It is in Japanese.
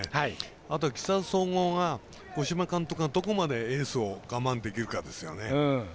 あとは木更津総合が五島監督がどこまでエースを我慢できるかですよね。